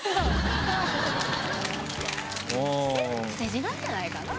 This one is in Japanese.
癖字なんじゃないかな？